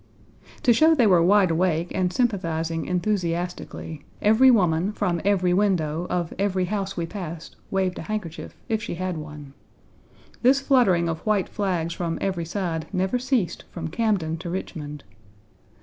To show they were wide awake and sympathizing enthusiastically, every woman from every window of every house we passed waved a handkerchief, if she had one. This fluttering of white flags from every side never ceased from Camden to Richmond.